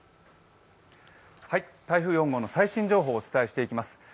台風４号の最新情報をお伝えしていきます。